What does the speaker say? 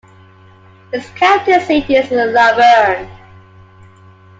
Its county seat is Luverne.